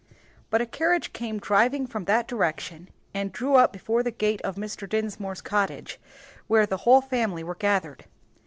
But a carriage came driving from that direction, and drew up before the gate of Mr. Dinsmore's cottage, where the whole family were gathered.